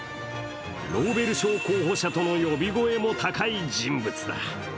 ノーベル賞候補者との呼び声も高い人物だ。